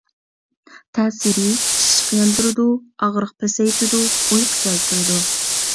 تەسىرى: ئىششىق ياندۇرىدۇ، ئاغرىق پەسەيتىدۇ، ئۇيقۇ كەلتۈرىدۇ.